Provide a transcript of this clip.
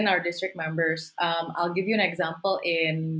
anggota distrik kami saya akan memberikan contoh